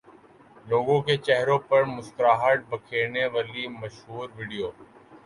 لوگوں کے چہروں پر مسکراہٹ بکھیرنے والی مشہور ویڈیو